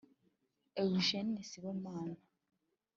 Eugene Sibomana